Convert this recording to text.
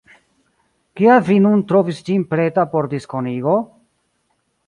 Kial vi nun trovis ĝin preta por diskonigo?